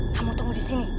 kamu tunggu disini